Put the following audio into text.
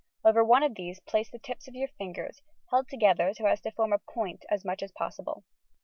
Over one of these place the tips of your fingers, held together so as to form a point as much as possible.